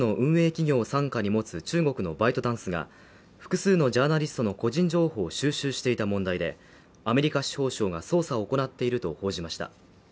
企業を傘下に持つ中国のバイトダンスが複数のジャーナリストの個人情報を収集していた問題で、アメリカ司法省が捜査を行っていると報じました。